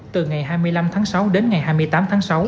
từ ngày hai mươi năm tháng sáu đến ngày hai mươi tám tháng sáu